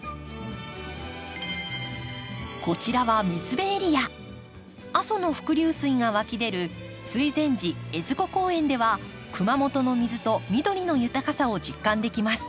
こちらは阿蘇の伏流水が湧き出る水前寺江津湖公園では熊本の水と緑の豊かさを実感できます。